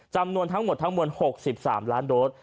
จำนวนทั้งหมดทั้งมวล๖๓ล้านโดส